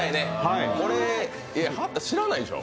これ、知らないでしょ？